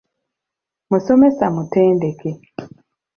Musomesa mutendeke.